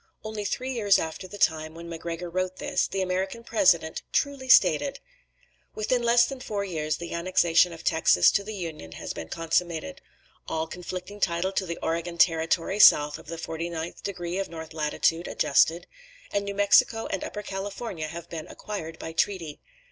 Only three years after the time when Macgregor thus wrote, the American President truly stated: "Within less than four years the annexation of Texas to the Union has been consummated; all conflicting title to the Oregon territory, south of the 49th degree of north latitude, adjusted; and New Mexico and Upper California have been acquired by treaty.